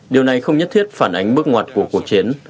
điều này không nhất thiết phản ánh bước ngoặt của cuộc chiến